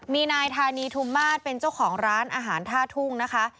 มีนายธานีทุมมาศเป็นเจ้าของร้านอาหารท่าทุ่งนะคะ